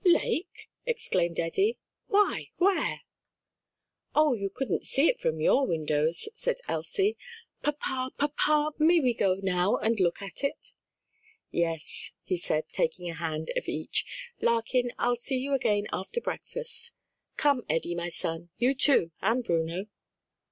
"Lake?" exclaimed Eddie, "why where?" "Oh, you couldn't see it from your windows," said Elsie. "Papa, papa, may we go now and look at it?" "Yes," he said, taking a hand of each. "Larkin, I'll see you again after breakfast. Come, Eddie, my son, you too, and Bruno."